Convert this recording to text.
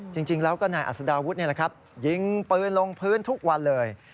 จริงแล้วก็นายอัศดาวุฒิยิงปืนลงพื้นทุกวันเลย